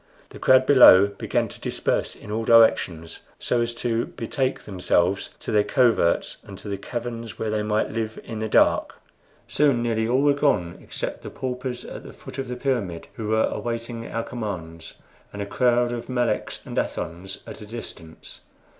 The crowd below began to disperse in all directions, so as to betake themselves to their coverts and to the caverns, where they might live in the dark. Soon nearly all were gone except the paupers at the foot of the pyramid, who were awaiting our commands, and a crowd of Meleks and Athons at a distance.